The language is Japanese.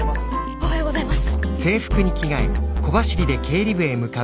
おはようございます！